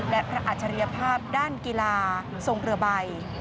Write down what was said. และพระอัจฉริยภาพด้านกีฬาทรงเรือใบ